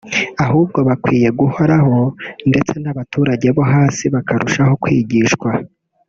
ahubwo bakwiye guhoraho ndetse n’abaturage bo hasi bakarushaho kwigishwa